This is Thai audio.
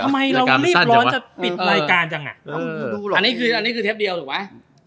ทำไมเรารีบร้อนจะปิดรายการจังอ่ะอันนี้คืออันนี้คือเทปเดียวถูกไหม